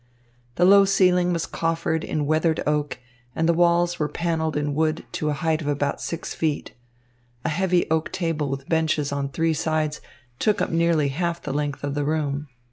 The low ceiling was coffered in weathered oak, and the walls were panelled in wood to a height of about six feet. A heavy oak table with benches on three sides took up nearly half the length of the room.